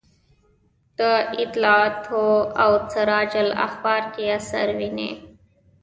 د اصلاحاتو او سراج الاخبار کې اثر ویني.